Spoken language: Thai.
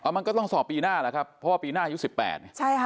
มันก็ต้องสอบปีหน้าล่ะครับเพราะว่าปีหน้าอายุ๑๘ปี